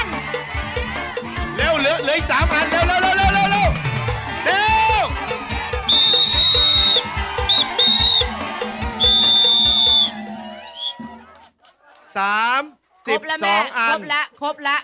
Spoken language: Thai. ครบแล้วครบละครบแล้ว